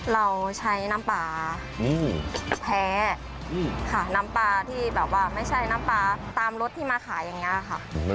เราใช้น้ำปลาแพ้ค่ะน้ำปลาที่แบบว่าไม่ใช่น้ำปลาตามรถที่มาขายอย่างนี้ค่ะ